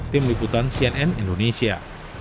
tim liputan cnn indonesia